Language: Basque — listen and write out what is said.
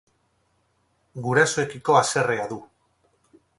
Gurasoekiko haserrea du.